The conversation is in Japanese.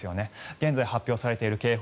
現在発表されている警報